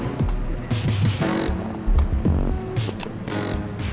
ck bete paling kecewa sekali sama alit davin